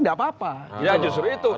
tidak apa apa ya justru itu